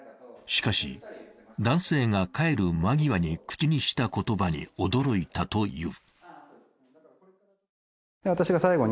しかし、男性が帰る間際に口にした言葉に驚いたという。